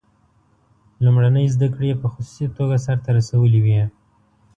لومړنۍ زده کړې یې په خصوصي توګه سرته رسولې وې.